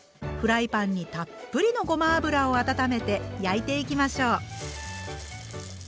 フライパンにたっぷりのごま油を温めて焼いていきましょう。